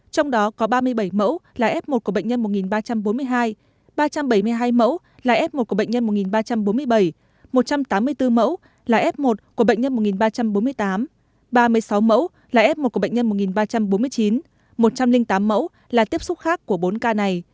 trong đó có ba mươi bảy mẫu là f một của bệnh nhân một ba trăm bốn mươi hai ba trăm bảy mươi hai mẫu là f một của bệnh nhân một ba trăm bốn mươi bảy một trăm tám mươi bốn mẫu là f một của bệnh nhân một ba trăm bốn mươi tám ba mươi sáu mẫu là f một của bệnh nhân một ba trăm bốn mươi chín một trăm linh tám mẫu là tiếp xúc khác của bốn ca này